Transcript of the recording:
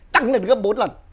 tăng lên gấp bốn lần